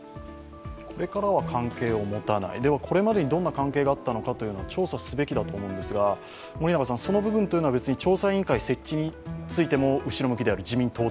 これからは関係を持たない、でもこれまでにどんな関係を持っていたのかは調査すべきだと思うんですが、その部分というのは調査委員会設置についても自民党として後ろ向きである。